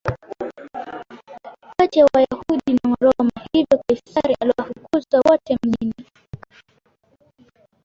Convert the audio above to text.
kati ya Wayahudi na waroma hivyo Kaisari aliwafukuza wote mjini